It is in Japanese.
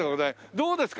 どうですか？